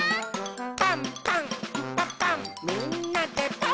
「パンパンんパパンみんなでパン！」